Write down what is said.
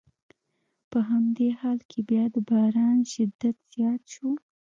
په همدې حال کې بیا د باران شدت زیات شو.